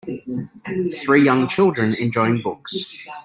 Three young children enjoying books.